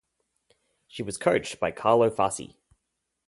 She was coached by Carlo Fassi.